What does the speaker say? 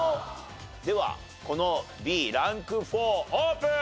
ではこのＢランク４オープン！